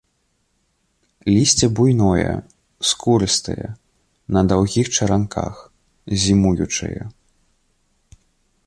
Лісце буйное, скурыстае, на даўгіх чаранках, зімуючае.